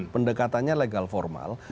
pendekatannya legal formal